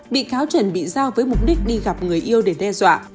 bị cáo trần bị giao với mục đích đi gặp người yêu để đe dọa